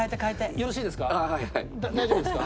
よろしいですか？